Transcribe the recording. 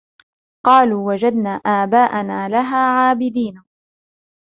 قالوا وجدنا آباءنا لها عابدين